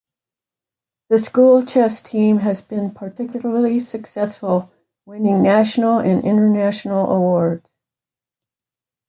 The school chess team has been particularly successful, winning national and international awards.